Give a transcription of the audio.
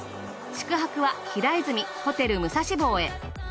宿泊は平泉ホテル武蔵坊へ。